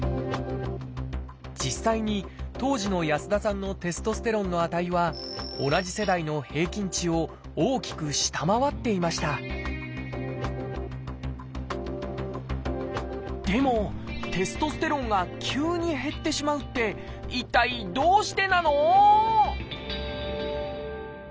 実際に当時の安田さんのテストステロンの値は同じ世代の平均値を大きく下回っていましたでもテストステロンが急に減ってしまうって一体どうしてなの？